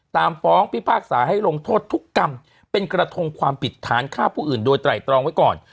ตามฟ้องพิพากษาให้ลงโทษทุกกรรมเป็นกระทงความผิดฐานฆ่าผู้อื่นโดยไตรตรองไว้ก่อน